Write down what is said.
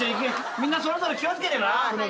みんなそれぞれ気を付けてな。